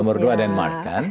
nomor dua denmark kan